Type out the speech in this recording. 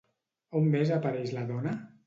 On més apareix la dona?